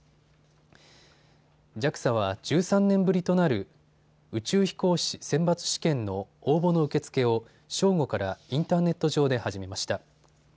ＪＡＸＡは１３年ぶりとなる宇宙飛行士選抜試験の応募の受け付けを正午からインターネット上で始めました。